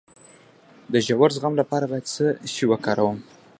د ژور زخم لپاره باید څه شی وکاروم؟